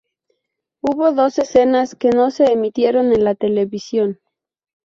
Hubo dos escenas que no se emitieron en la televisión.